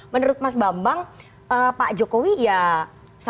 menurut mas bambang pak jokowi ya sasa saja